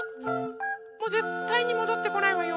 もうぜったいにもどってこないわよ。